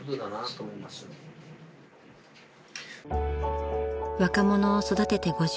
［若者を育てて５０年］